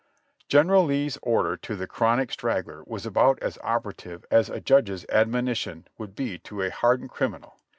General Lee's order to the chronic straggler was about as operative as a judge's admonition would be to a hardened crimi nal.